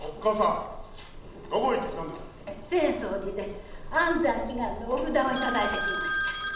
浅草寺で安産祈願のお札をいただいてきました。